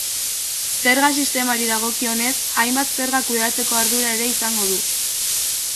Zerga-sistemari dagokionez, hainbat zerga kudeatzeko ardura ere izango du.